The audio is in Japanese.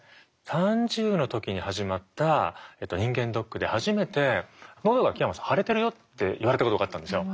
３０の時に始まった人間ドックで初めて「喉が木山さん腫れてるよ」って言われたことがあったんですよ。